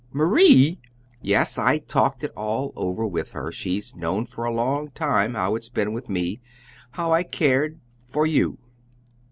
"MARIE!" "Yes. I talked it all over with her. She's known for a long time how it's been with me; how I cared for you."